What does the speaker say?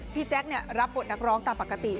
พี่แจ๊กร์รับบทนักร้องตามปกติ